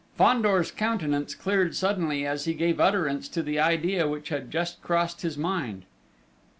Fandor's countenance cleared suddenly as he gave utterance to the idea which had just crossed his mind.